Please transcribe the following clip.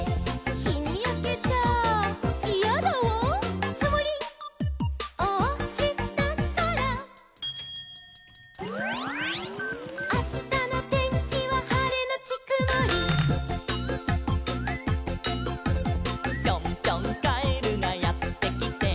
「『ひにやけちゃイヤだわ』」「くもりをおしたから」「あしたのてんきははれのちくもり」「ぴょんぴょんカエルがやってきて」